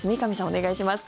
お願いします。